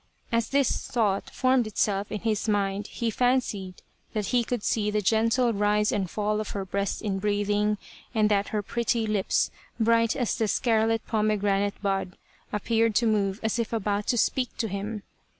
As this thought formed itself in his mind he fancied that he could see the gentle rise and fall of her breast in breathing, and that her pretty lips, bright as the scarlet pomegranate bud, appeared to move as if about to speak to him.